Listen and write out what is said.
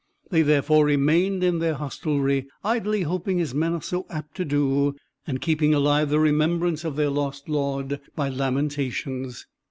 They therefore remained in their hostelry, idly hoping, as men are so apt to do, and keeping alive the remembrance of their lost lord by lamentations.